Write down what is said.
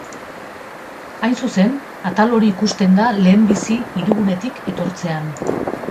Hain zuzen, atal hori ikusten da lehenbizi hirigunetik etortzean.